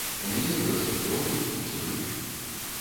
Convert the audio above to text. У мяне вырастуць рогі, кіпцюры.